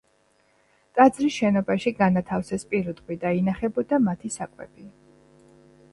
ტაძრის შენობაში განათავსეს პირუტყვი და ინახებოდა მათი საკვები.